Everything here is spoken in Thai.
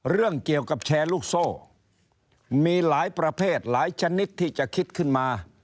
เรื่องเกี่ยวกับแชร์ลูกโซ่มีหลายประเภทหลายชนิดที่จะคิดขึ้นมา